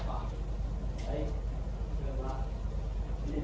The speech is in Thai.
สวัสดีครับทุกคน